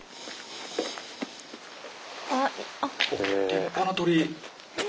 立派な鳥居。